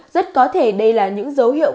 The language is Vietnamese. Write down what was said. rất có thể đây là những dấu hiệu